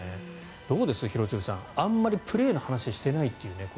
どうです、廣津留さんあまりプレーの話をしてないという。